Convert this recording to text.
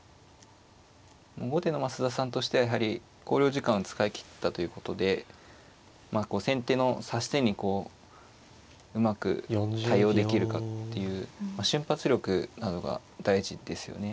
後手の増田さんとしてはやはり考慮時間を使い切ったということで先手の指し手にこううまく対応できるかっていう瞬発力などが大事ですよね。